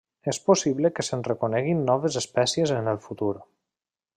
És possible que se'n reconeguin noves espècies en el futur.